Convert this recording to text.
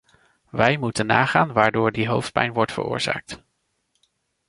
Wij moeten nagaan waardoor die hoofdpijn wordt veroorzaakt.